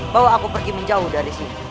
bawa aku pergi menjauh dari sini